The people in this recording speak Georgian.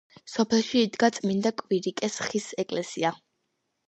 სოფელში იდგა წმინდა კვირიკეს ხის ეკლესია.